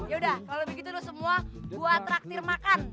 ya udah kalau begitu lo semua gua traktir makan